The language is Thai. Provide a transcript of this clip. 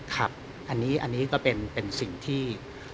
ครับอันนี้ก็เป็นสิ่งที่